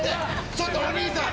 ちょっとお兄さん！